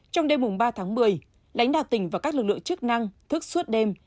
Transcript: trong đêm ba tháng một mươi đánh đạt tỉnh và các lực lượng chức năng thức suốt đêm